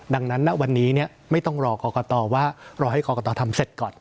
ดังนั้นณวันนี้ไม่ต้องรอกรกตว่ารอให้กรกตทำเสร็จก่อน